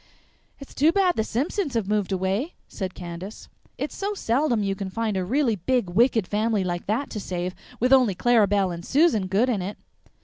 "It's too bad the Simpsons have moved away," said Candace. "It's so seldom you can find a real big wicked family like that to save, with only Clara Belle and Susan good in it."